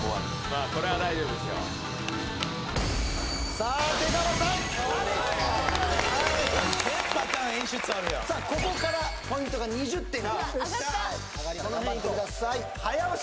さあここからポイントが２０点上がった！